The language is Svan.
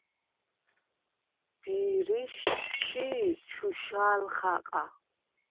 დი̄რიშდ ჩი̄ ჩუშა̄ლ ხაყა.